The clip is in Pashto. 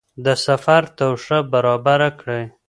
د سفر توښه برابره کړئ.